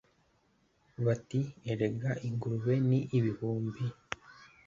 Bati: "Erega ingurube ni ibihumbi!